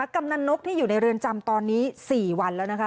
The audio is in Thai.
กำนันนกที่อยู่ในเรือนจำตอนนี้๔วันแล้วนะคะ